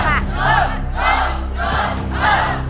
สู้เพื่อป้าเพนครับ